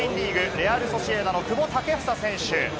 レアル・ソシエダの久保建英選手。